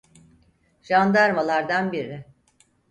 Jandarmalardan biri: